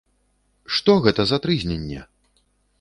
Што гэта за трызненне?